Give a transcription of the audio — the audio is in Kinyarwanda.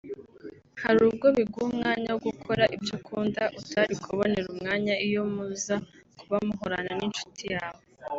Hari nubwo biguha umwanya wo gukora ibyo ukunda utari kubonera umwanya iyo muza kuba muhorana n’inshuti yawe